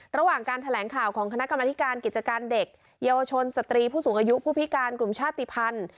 ระหว่างการแถลงข่าวของคณะกรรมธิการกิจการเด็กเยาวชนสตรีผู้สูงอายุผู้พิการกลุ่มชาติภัณฑ์